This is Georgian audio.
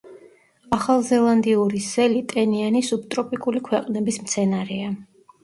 ახალზელანდიური სელი ტენიანი სუბტროპიკული ქვეყნების მცენარეა.